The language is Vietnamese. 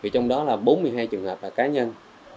trong đó là bốn mươi hai trường hợp là cá nhân